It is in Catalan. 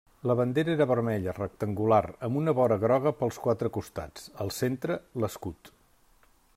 La bandera era vermella rectangular amb una vora groga pels quatre costats; al centre, l'escut.